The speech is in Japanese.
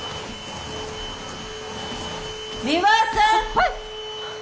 はい！